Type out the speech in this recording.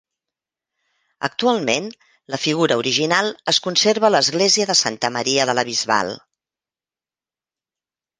Actualment, la figura original es conserva a l'església de Santa Maria de la Bisbal.